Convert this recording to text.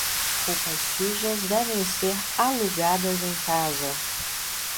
Roupas sujas devem ser alugadas em casa.